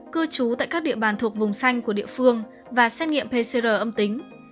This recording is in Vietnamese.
cư trú tại các địa bàn thuộc vùng xanh của địa phương và xét nghiệm pcr âm tính